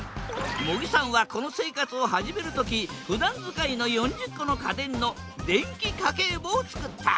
茂木さんはこの生活を始める時ふだん使いの４０個の家電の電気家計簿を作った。